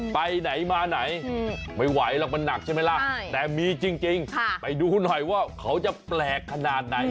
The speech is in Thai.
ไปไหนมาไหนไม่ไหวหรอกมันหนักใช่ไหมล่ะแต่มีจริงไปดูหน่อยว่าเขาจะแปลกขนาดไหน